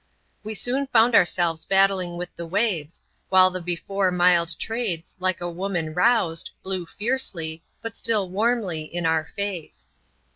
We soon found ourselves battling with the waves, while the before mild Trades, like a woman roused, blew fiercely, but still vrarmly, in our face.